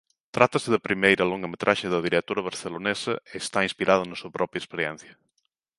Trátase da primeira longametraxe da directora barcelonesa e está inspirada na súa propia experiencia.